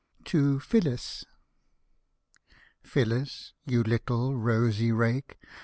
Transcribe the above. TO PHYLLIS Phyllis, you little rosy rake.